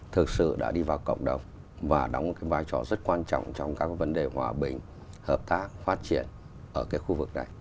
thực sự đã đi vào cộng đồng và đóng một vai trò rất quan trọng trong các vấn đề hòa bình hợp tác phát triển ở cái khu vực này